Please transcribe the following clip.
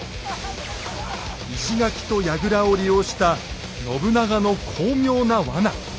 石垣と櫓を利用した信長の巧妙な罠。